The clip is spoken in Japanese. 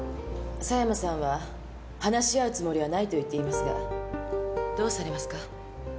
狭山さんは話し合うつもりはないと言っていますがどうされますか？